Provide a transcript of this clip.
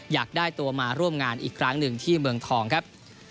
อยากได้ตัวมาร่วมงานอีกครั้งหนึ่งที่เมืองทองครับ